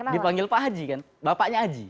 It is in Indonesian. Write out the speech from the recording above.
dipanggil pak haji kan bapaknya haji